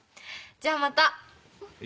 じゃあまた。